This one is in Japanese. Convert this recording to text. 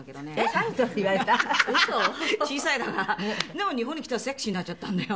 でも日本に来たらセクシーになっちゃったんだよ。